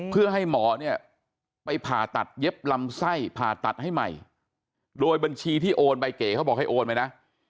เพื่อให้หมอเนี่ยไปผ่าตัดเย็บลำไส้ผ่าตัดให้ใหม่โดยบัญชีที่โอนใบเก๋เขาบอกให้โอนไปนะ